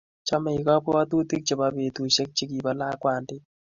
Chamei kabwatutik chebo betushek chik ab lakwandit